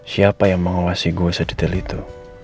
siapa yang mengawasi gue sedetail itu